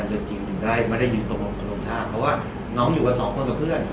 ให้น้องแล้วก็ยืนตรงปกติแต่น้องยืนตรงไม่ได้